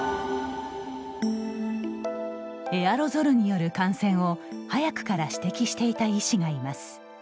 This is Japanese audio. エアロゾルによる感染を早くから指摘していた医師がいます。